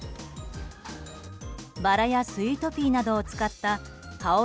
バラやスイートピーなどを使った薫る